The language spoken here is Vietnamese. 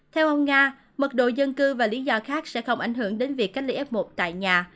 theo ông nga mật độ dân cư và lý do khác sẽ không ảnh hưởng đến việc cách ly f một tại nhà